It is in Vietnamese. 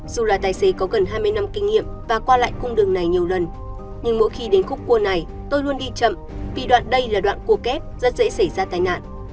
dù là tài xế có gần hai mươi năm kinh nghiệm và qua lại cung đường này nhiều lần nhưng mỗi khi đến khúc cua này tôi luôn đi chậm vì đoạn đây là đoạn cua kép rất dễ xảy ra tai nạn